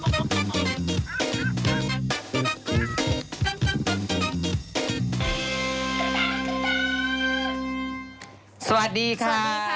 สวัสดีค่ะ